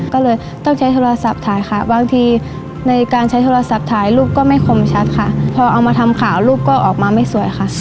ก็เลยต้องใช้โทรศัพท์ถ่ายค่ะบางทีในการใช้โทรศัพท์ถ่ายรูปก็ไม่คมชัดค่ะพอเอามาทำข่าวรูปก็ออกมาไม่สวยค่ะ